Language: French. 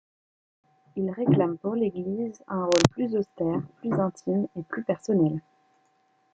Ils réclament pour l'Église un rôle plus austère, plus intime et plus personnel.